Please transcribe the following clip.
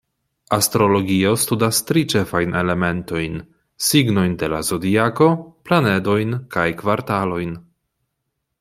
Astrologio studas tri ĉefajn elementojn: signojn de la zodiako, planedojn kaj kvartalojn.